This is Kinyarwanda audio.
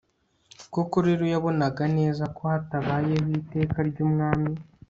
koko rero, yabonaga neza ko hatabayeho iteka ry'umwami